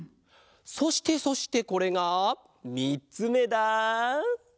そしてそしてこれがみっつめだ！